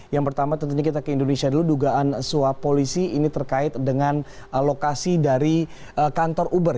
yang pertama tentunya kita ke indonesia dulu dugaan suap polisi ini terkait dengan lokasi dari kantor uber